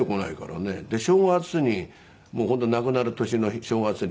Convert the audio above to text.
で正月に本当亡くなる年の正月に。